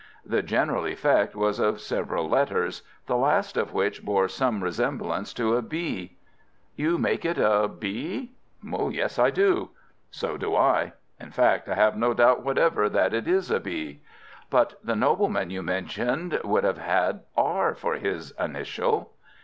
The general effect was of several letters, the last of which bore some resemblance to a B. "You make it a B?" "Yes, I do." "So do I. In fact, I have no doubt whatever that it is a B." "But the nobleman you mentioned would have had R for his initial."